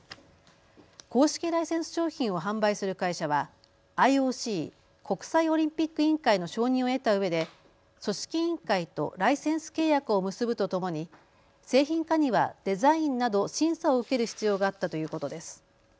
公式ライセンス商品を販売する会社はＩＯＣ・国際オリンピック委員会の承認を得たうえで組織委員会とライセンス契約を結ぶとともに製品化にはデザインなど審査を受ける必要があったということです。